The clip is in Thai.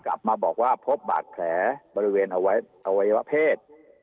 กลับมาบอกว่าพบบาดแผลบริเวณอวัยวะเพศ